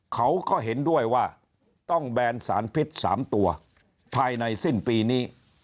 เขาก็เห็นด้วยว่าต้องแบนสารพิษ๓ตัวภายในสิ้นปีนี้